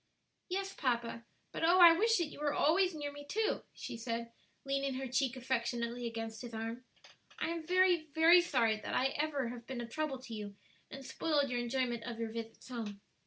"Yes, papa; but oh I wish that you were always near me too," she said, leaning her cheek affectionately against his arm. "I am very, very sorry that ever I have been a trouble to you and spoiled your enjoyment of your visits home."